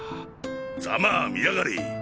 ざまぁみやがれ！